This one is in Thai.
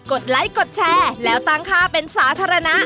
ไลค์กดแชร์แล้วตั้งค่าเป็นสาธารณะ